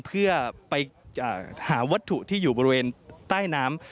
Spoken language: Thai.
เพื่อไปหาวัตถุที่อยู่บริเวณใต้น้ำ